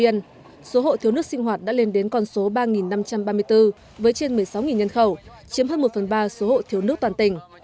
tuy nhiên số hộ thiếu nước sinh hoạt đã lên đến con số ba năm trăm ba mươi bốn với trên một mươi sáu nhân khẩu chiếm hơn một phần ba số hộ thiếu nước toàn tỉnh